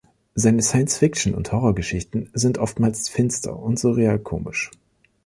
Seine Science-Fiction- und Horrorgeschichten sind oftmals finster und surreal komisch.